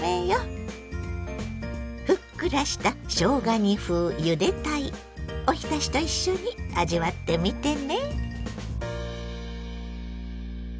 ふっくらしたしょうが煮風ゆで鯛おひたしと一緒に味わってみてね。